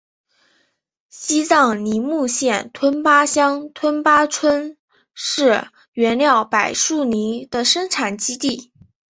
西藏尼木县吞巴乡吞巴村是原料柏树泥的生产基地。